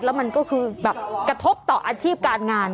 แล้วมันก็คือแบบกระทบต่ออาชีพการงาน